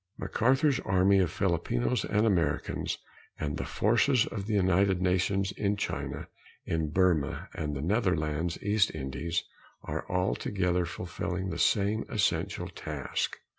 MacArthur's army of Filipinos and Americans, and the forces of the United Nations in China, in Burma and the Netherlands East Indies, are all together fulfilling the same essential task.